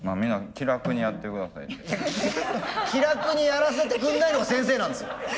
気楽にやらせてくんないのは先生なんですよ。